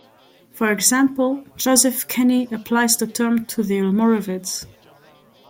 For example, Joseph Kenney applies the term to the Almoravids.